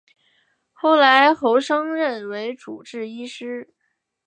后来侯升任为主治医师。